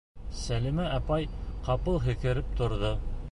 Сәлимә апай ҡапыл һикереп торҙо.